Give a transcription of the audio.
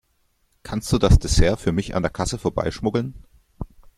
Kannst du das Dessert für mich an der Kasse vorbeischmuggeln?